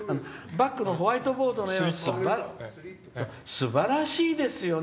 「バックのホワイトボードの絵がすばらしいですよね。